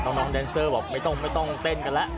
น้องแดนเซอร์บอกไม่ต้องเต้นกันแล้ว